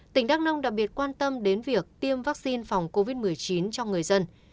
tỉnh đắk nông đặc biệt quan tâm đến việc tiêm vaccine phòng covid một mươi chín cho người dân